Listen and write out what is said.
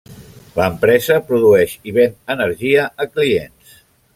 L'empresa produeix i ven energia a clients.